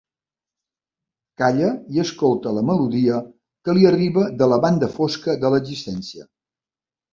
Calla i escolta la melodia que li arriba de la banda fosca de l'existència.